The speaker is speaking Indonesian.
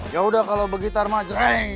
yaudah kalau begitu tarma jreng